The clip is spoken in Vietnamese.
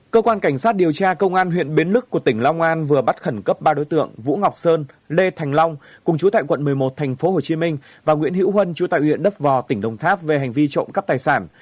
cơ quan cảnh sát điều tra công an huyện bến lức của tỉnh long an vừa bắt khẩn cấp ba đối tượng vũ ngọc sơn lê thành long cùng chú tại quận một mươi một tp hcm và nguyễn hữu huân chú tại huyện đất vò tỉnh đồng tháp về hành vi trộm cắp tài sản